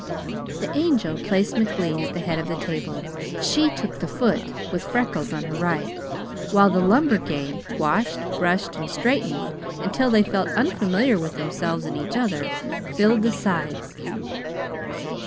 The Angel placed McLean at the head of the table. She took the foot, with Freckles on her right, while the lumber gang, washed, brushed, and straightened until they felt unfamiliar with themselves and each other, filled the sides.